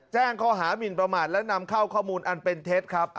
แจ้งข้อหามินประมาทและนำเข้าข้อมูลอันเป็นเท็จครับ